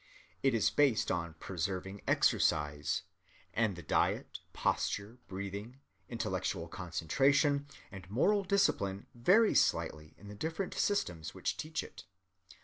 It is based on persevering exercise; and the diet, posture, breathing, intellectual concentration, and moral discipline vary slightly in the different systems which teach it.